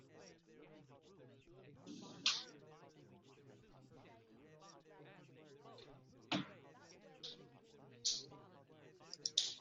Later, with increasing trainloads, the baggage compartment was replaced with a second engine.